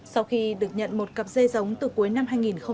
sau khi được nhận một cặp dê giống từ cuối năm hai nghìn hai mươi một